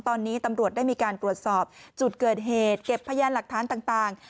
ตอนนี้ตำรวจได้มีการตรวจสอบจุดเกิดเหตุเก็บพยานหลักฐานต่าง